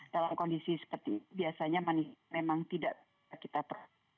dalam kondisi seperti biasanya manifest memang tidak kita perlukan